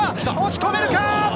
押し込めるか？